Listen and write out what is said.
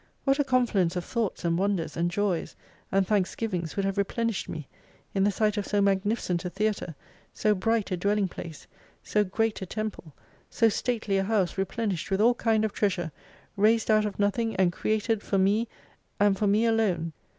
What a confluence of Thoughts and wonders, and joys, and thanksgivings would have replenished me in the sight of so magni ficent a theatre, so bright a dwelling place ; so great a temple, so stately a house replenished with all kind of treasure, raised out of nothing and created for me and for me alone.